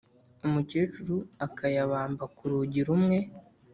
umukecuru akayabamba kurugi rumwe